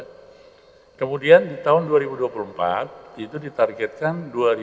nah kemudian di tahun dua ribu dua puluh empat itu ditargetkan dua ribu dua puluh